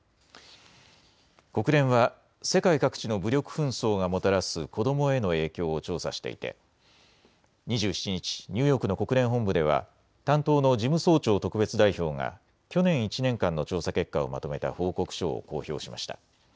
国連は世界各地の武力紛争がもたらす子どもへの影響を調査していて２７日、ニューヨークの国連本部では担当の事務総長特別代表が去年１年間の調査結果をまとめた報告書を公表しました。